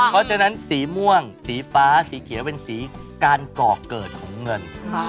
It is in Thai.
ก็จนั้นศีม่วงศีฟ้าสีเขียวเป็นสีการก่อกเกิดของเงิน